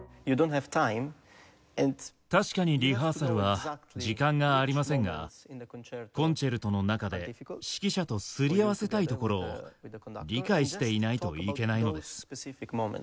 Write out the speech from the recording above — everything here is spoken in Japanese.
確かにリハーサルは時間がありませんがコンチェルトの中で指揮者とすり合わせたいところを理解していないといけないのです。